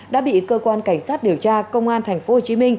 đã bị cơ quan cảnh sát điều tra công an tp hcm